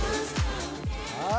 はい。